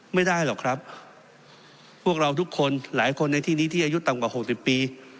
ไม่ได้หรอกครับพวกเราทุกคนหลายคนในที่นี้ที่อายุต่ำกว่า๖๐ปี